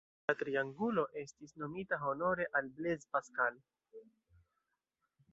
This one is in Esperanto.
La triangulo estis nomita honore de Blaise Pascal.